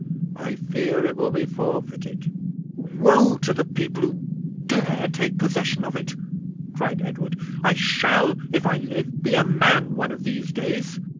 I fear that it will be forfeited." "Woe to the people who dare take possession of it!" cried Edward; "I shall, if I live, be a man one of these days."